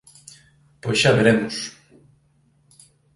Pois xa veremos.